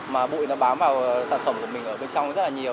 mà bụi nó bám vào sản phẩm của mình ở bên trong rất là nhiều